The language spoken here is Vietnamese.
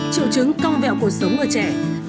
triệu chứng cong vẹo cuộc sống của trẻ